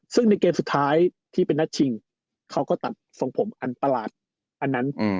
ซึ่งในเกมสุดท้ายที่เป็นนัดชิงเขาก็ตัดทรงผมอันประหลาดอันนั้น